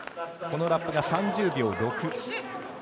このラップが３０秒６。